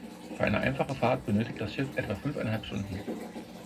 Für eine einfache Fahrt benötigt das Schiff etwa fünfeinhalb Stunden.